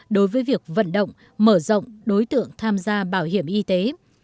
đối với việc vận động mở rộng đối tượng tham gia bảo hiểm y tế